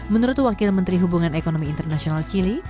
menurut wakil menteri hubungan ekonomi internasional chile